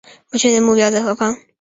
不确定的目标在何方